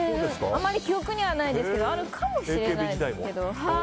あまり記憶にはないですけどあるかもしれないけど。